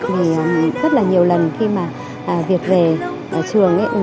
vì rất là nhiều lần khi mà việt về trường ấy